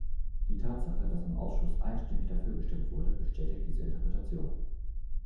Die Tatsache, dass im Ausschuss einstimmig dafür gestimmt wurde, bestätigt diese Interpretation.